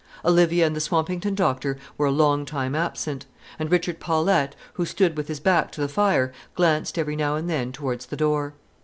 Olivia and the Swampington doctor were a long time absent; and Richard Paulette, who stood with his back to the fire, glanced every now and then towards the door.